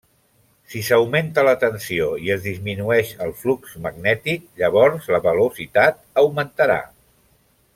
Si s'augmenta la tensió i es disminueix el flux magnètic llavors la velocitat augmentarà.